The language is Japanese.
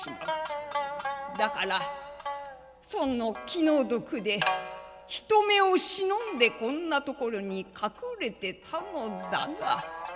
だからその気の毒で人目を忍んでこんな所に隠れてたのだが」。